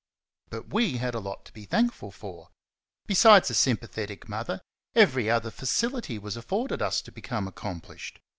But we had a lot to feel thankful for. Besides a sympathetic mother, every other facility was afforded us to become accomplished.